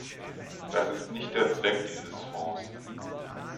Das ist nicht der Zweck dieses Fonds.